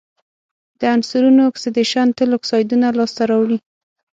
د عنصرونو اکسیدیشن تل اکسایدونه لاسته راوړي.